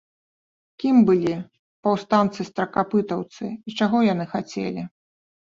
Кім былі паўстанцы-стракапытаўцы і чаго яны хацелі?